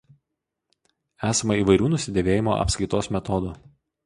Esama įvairių nusidėvėjimo apskaitos metodų.